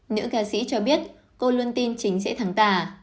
nữ ca sĩ cho biết cô luôn tin chính sẽ thắng tả